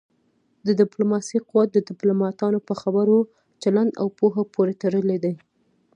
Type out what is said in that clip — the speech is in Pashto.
د ډيپلوماسی قوت د ډيپلوماټانو په خبرو، چلند او پوهه پورې تړلی دی.